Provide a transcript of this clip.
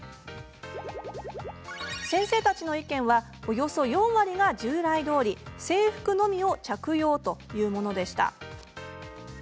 先生たちの意見はおよそ４割が従来どおり制服のみを着用というものでした。